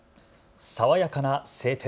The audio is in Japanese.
爽やかな晴天。